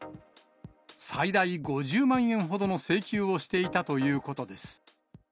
最大５０万円ほどの請求をしていたということです。